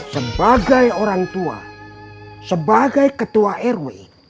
sebagai orang tua sebagai ketua rw